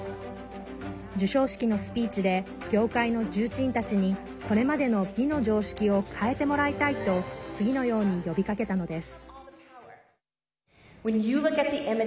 授賞式のスピーチで業界の重鎮たちにこれまでの美の常識を変えてもらいたいと次のように呼びかけたのです。